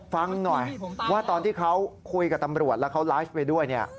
ฟังหน่อยว่าตอนที่เขาคุยกับตำรวจแล้วเขาไลฟ์ไปด้วยเนี่ย